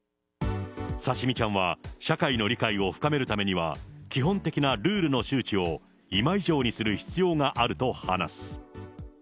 さしみちゃんは、社会の理解を深めるためには、基本的なルールの周知を今以上にする必要があると話す。